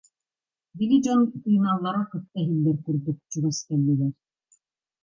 Били дьон тыыналлара кытта иһиллэр курдук чугас кэллилэр